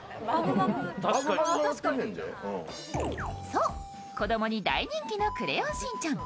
そう子供に大人気の「クレヨンしんちゃん」。